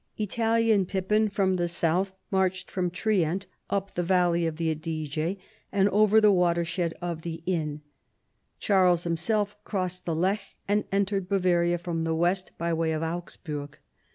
Italian Pippin from the South marched from Trient up the valley of the Adige and over the water shed of the Inn ; Charles himself crossed the Lech and entered Bavaria from the west by way of Augsburg.